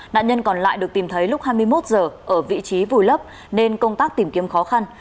nạn nhân còn lại được tìm thấy lúc hai mươi một h ở vị trí vùi lấp nên công tác tìm kiếm khó khăn